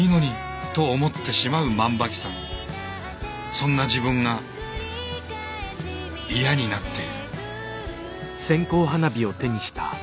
そんな自分が嫌になっている。